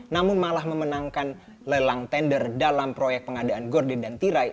namun malah memenangkan lelang tender dalam proyek pengadaan gorden dan tirai